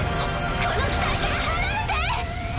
この機体から離れて！